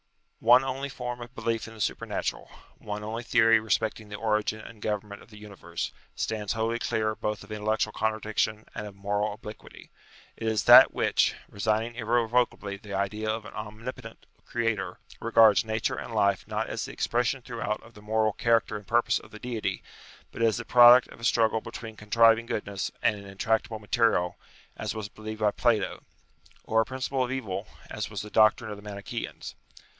One only form of belief in the supernatural one only theory respecting the origin and government of the universe stands wholly clear both of intellectual contradiction and of moral obliquity. It is that which, resigning irrevocably the idea of an omnipotent creator, regards Nature and Life not as the expression throughout of the moral character and purpose of the Deity, but as the product of a struggle between contriving goodness and an intractable material, as was believed by Plato, or a Principle of Evil, as was the doctrine of the Manicheans.